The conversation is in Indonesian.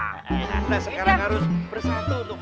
kita sekarang harus bersatu untuk mendapatkan teko